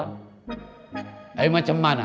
tapi macam mana